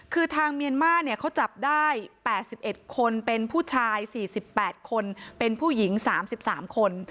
คือทางเมียนมาร์เขาจับได้๘๑คนเป็นผู้ชาย๔๘คนเป็นผู้หญิง๓๓คน